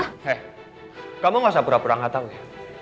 hei kamu gak usah pura pura gak tahu ya